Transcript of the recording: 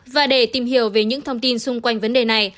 và để tìm hiểu về những thông tin xung quanh vấn đề này